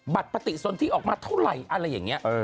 ปฏิสนที่ออกมาเท่าไหร่อะไรอย่างนี้